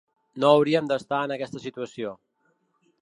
No hauríem d’estar en aquesta situació.